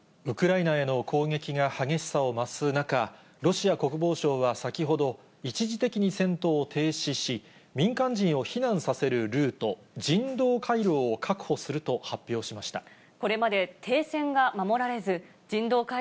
ウクライナへの攻撃が激しさを増す中、ロシア国防省は先ほど、一時的に戦闘を停止し、民間人を避難させるルート、人道回廊を確保すると発表しました。